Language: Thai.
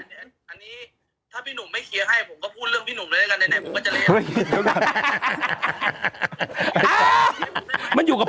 อันนี้ถ้าพี่หนุ่มไม่เคลียร์ให้